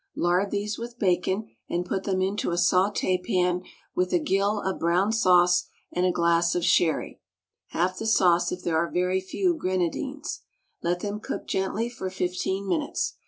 Lard these with bacon, and put them into a sauté pan with a gill of brown sauce and a glass of sherry (half the sauce if there are very few grenadines); let them cook gently for fifteen minutes.